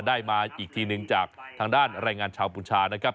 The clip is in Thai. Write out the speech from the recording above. ได้มาอีกทีหนึ่งจากทางด้านแรงงานชาวบูชานะครับ